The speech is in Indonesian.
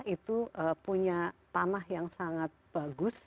itu punya tanah yang sangat bagus